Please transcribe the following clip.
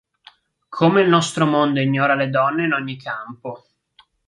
Come il nostro mondo ignora le donne in ogni campo.